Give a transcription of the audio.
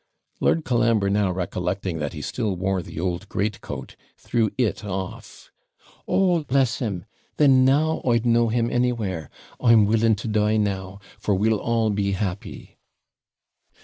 Lord Colambre now recollecting that he still wore the old greatcoat, threw it off. 'Oh, bless him! Then now I'd know him anywhere. I'm willing to die now, for we'll all be happy.'